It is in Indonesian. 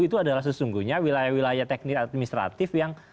itu adalah sesungguhnya wilayah wilayah teknik administratif yang